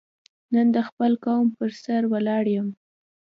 نن د خپل قوم په سر ولاړ یم.